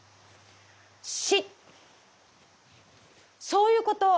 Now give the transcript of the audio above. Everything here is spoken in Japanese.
そういうこと。